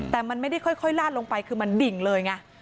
แต่มันไม่ได้ค่อยลาดลงไปคือมันดิ่งเลยไง